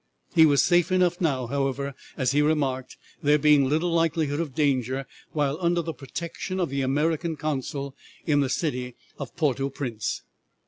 He was safe enough now, however, as he remarked, there being little likelihood of danger while under the protection of the American consul in the city of Porto Prince.